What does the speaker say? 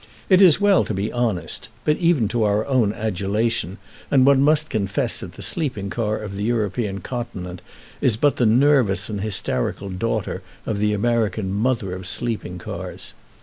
It is well to be honest, even to our own adulation, and one must confess that the sleeping car of the European continent is but the nervous and hysterical daughter of the American mother of sleeping cars.